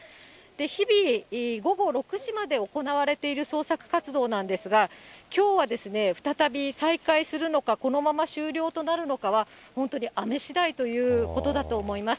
日々、午後６時まで行われている捜索活動なんですが、きょうは再び再開するのか、このまま終了となるのかは、本当に雨しだいということだと思います。